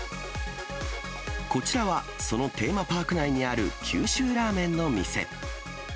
こちらは、そのテーマパーク内にある九州ラーメンの店。